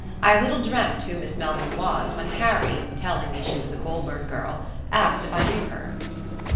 I little dreamt who Miss Melvyn was when Harry, telling me she was a Goulburn girl, asked if I knew her."